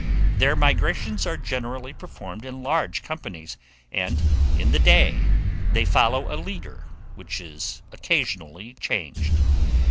Their migrations are generally performed in large companies, and, in the day, they follow a leader, which is occasionally changed.